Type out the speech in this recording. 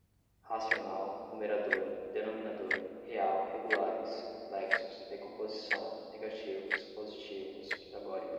racional, numerador, denominador, real, regulares, complexos, decomposição, negativos, positivos, pitagóricos